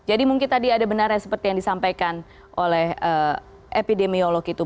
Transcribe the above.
jadi mungkin tadi ada benar yang seperti yang disampaikan oleh epidemiolog itu